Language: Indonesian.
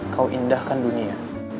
kau indahkan dunia